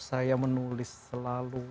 saya menulis selalu